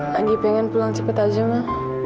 lagi pengen pulang cepat aja mah